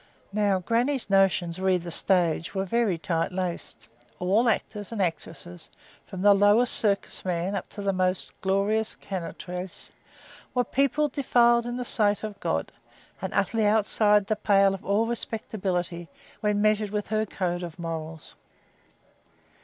Now grannie's notions re the stage were very tightly laced. All actors and actresses, from the lowest circus man up to the most glorious cantatrice, were people defiled in the sight of God, and utterly outside the pale of all respectability, when measured with her code of morals.